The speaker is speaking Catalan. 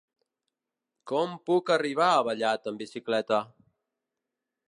Com puc arribar a Vallat amb bicicleta?